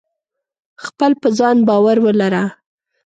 خپل په ځان باور ولره.